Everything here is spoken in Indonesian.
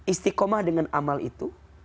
istiqomah dengan amal itu